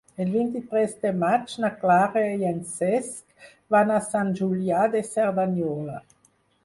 El vint-i-tres de maig na Clara i en Cesc van a Sant Julià de Cerdanyola.